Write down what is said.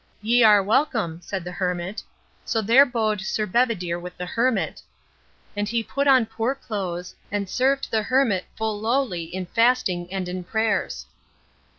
"Ye are welcome," said the hermit. So there bode Sir Bedivere with the hermit; and he put on poor clothes, and served the hermit full lowly in fasting and in prayers.